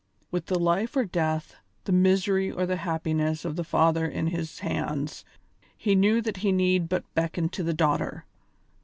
With the life or death, the misery or the happiness of the father in his hands, he knew that he need but beckon to the daughter.